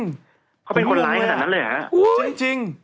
เขาเป็นคนร้ายขนาดนั้นเลยเหรอฮะจริง